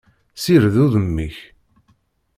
Sired udem-ik!